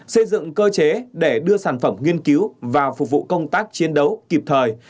xây dựng cơ chế để đưa sản phẩm nghiên cứu vào phục vụ công tác chiến đấu kịp thời